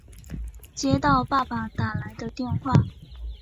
接到爸爸打来的电话